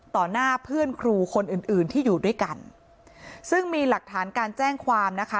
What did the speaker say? หน้าเพื่อนครูคนอื่นอื่นที่อยู่ด้วยกันซึ่งมีหลักฐานการแจ้งความนะคะ